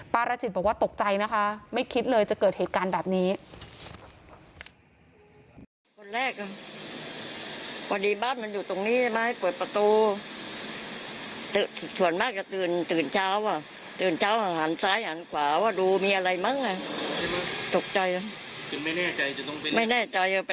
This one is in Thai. รจิตบอกว่าตกใจนะคะไม่คิดเลยจะเกิดเหตุการณ์แบบนี้